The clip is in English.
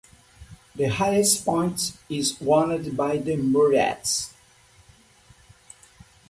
The highest point is owned by the Moriarty's.